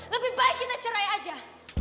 lebih baik kita cerai aja